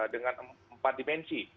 dengan empat dimensi